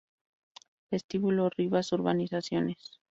Vestíbulo Rivas-Urbanizaciones